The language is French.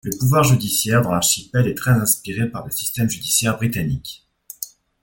Le pouvoir judiciaire, dans l'archipel, est très inspiré par le système judiciaire britannique.